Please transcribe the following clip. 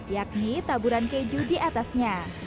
yakni taburan keju diatasnya